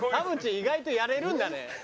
意外とやれるんだね。